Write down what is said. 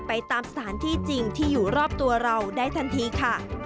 ไปตามสถานที่จริงที่อยู่รอบตัวเราได้ทันทีค่ะ